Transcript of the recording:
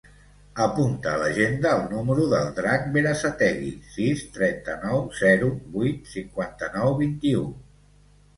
Apunta a l'agenda el número del Drac Berasategui: sis, trenta-nou, zero, vuit, cinquanta-nou, vint-i-u.